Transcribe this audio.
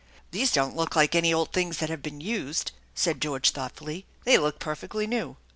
" These don't look like any old things that have been used," said George thoughtfully. " They look perfectly new."